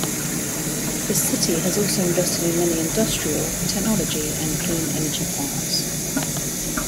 The city has also invested in many industrial, technology and clean energy parks.